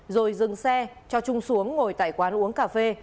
rồi dừng xe cho trung xuống ngồi tại quán uống cà phê